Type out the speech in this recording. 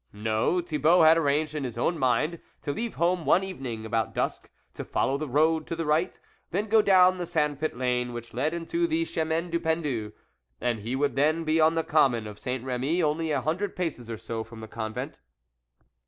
No, Thi bault had arranged in his own mind to leave home one evening about dusk, to follow the road to the right, then go down the sandpit lane which led into the Chemin du Pendu, and he would then be on the common of Saint Remy, only a hundred paces or so from the Convent.